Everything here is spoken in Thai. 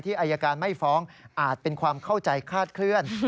อายการไม่ฟ้องอาจเป็นความเข้าใจคาดเคลื่อน